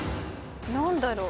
何だろう？